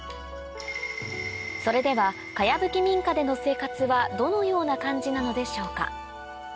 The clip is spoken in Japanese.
それでは茅ぶき民家での生活はどのような感じなのでしょうか？